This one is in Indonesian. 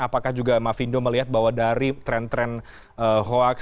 apakah juga mafindo melihat bahwa dari tren tren hoax